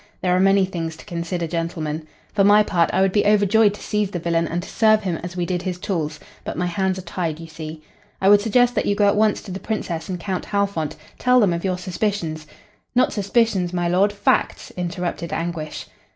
There are many things to consider, gentlemen. For my part, I would be overjoyed to seize the villain and to serve him as we did his tools, but my hands are tied, you see. I would suggest that you go at once to the Princess and Count Halfont, tell them of your suspicions " "Not suspicions, my lord, facts," interrupted Anguish.